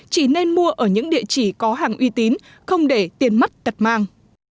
chỉ nên mua ở những địa chỉ có hàng uy tín không để tiền mất tật mang